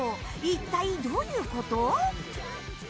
一体どういうこと？